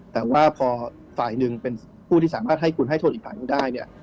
แต่ว่าพอฝ่ายหนึ่งเป็นผู้ที่สามารถให้คุณให้โทษอีกฝ่ายหนึ่งได้เนี่ย